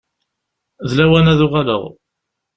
D lawan ad uɣaleɣ.